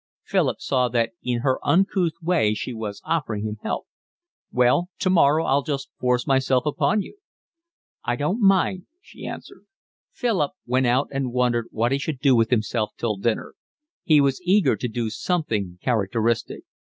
Philip saw that in her uncouth way she was offering him help. "Well, tomorrow I'll just force myself upon you." "I don't mind," she answered. Philip went out and wondered what he should do with himself till dinner. He was eager to do something characteristic.